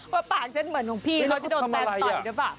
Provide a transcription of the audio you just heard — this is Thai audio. ป่านฉันเหมือนของพี่เขาจะโดนแฟนต่อยหรือเปล่า